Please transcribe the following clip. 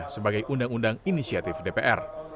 sebagai undang undang inisiatif dpr